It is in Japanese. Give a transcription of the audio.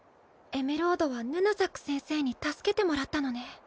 エメロードはヌヌザック先生に助けてもらったのね。